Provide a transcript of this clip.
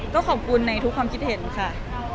ก็ขอบคุณในทุกความคิดเห็นค่ะ